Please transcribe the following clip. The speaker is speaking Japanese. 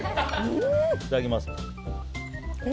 いただきます。